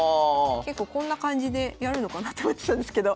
結構こんな感じでやるのかなと思ってたんですけど